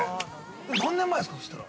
何年前ですか、そしたら。